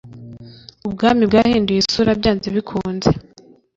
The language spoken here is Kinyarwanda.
ubwami bwahinduye isura byanze bikunze